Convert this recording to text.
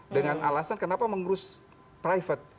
dengan alasan kenapa mengurus private